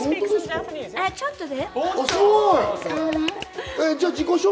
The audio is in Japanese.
ちょっとね。